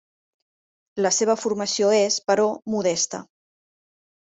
La seva formació és, però, modesta.